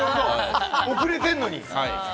遅れてるのに。